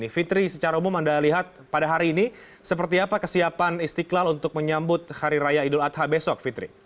fitri secara umum anda lihat pada hari ini seperti apa kesiapan istiqlal untuk menyambut hari raya idul adha besok fitri